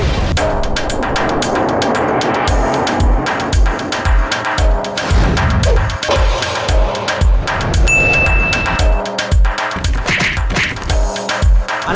กินรังบาง